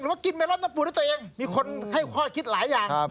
หรือกินเมลอนต้องปลูกด้วยตัวเองมีคนให้ค่อยคิดหลายอย่าง